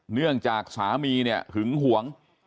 เนื่องจากสามีเนี่ยหึงหวง